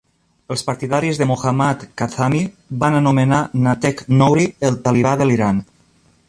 Els partidaris de Mohammad Khatami van anomenar Nateq-Nouri el "talibà" de l'Iran.